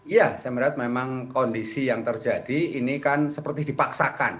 ya saya melihat memang kondisi yang terjadi ini kan seperti dipaksakan